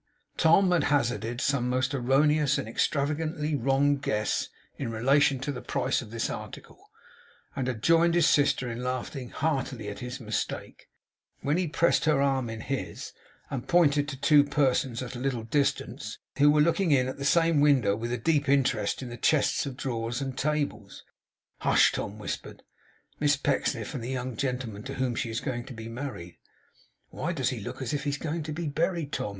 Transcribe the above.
Tom had hazarded some most erroneous and extravagantly wrong guess in relation to the price of this article, and had joined his sister in laughing heartily at his mistake, when he pressed her arm in his, and pointed to two persons at a little distance, who were looking in at the same window with a deep interest in the chests of drawers and tables. 'Hush!' Tom whispered. 'Miss Pecksniff, and the young gentleman to whom she is going to be married.' 'Why does he look as if he was going to be buried, Tom?